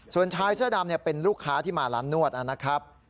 ส่วนชายเสื้อดำเป็นลูกค้าที่มาร้านนวดนะครับ